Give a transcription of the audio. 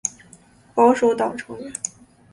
保守党成员。